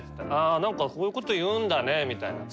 「あ何かこういうこと言うんだね」みたいな。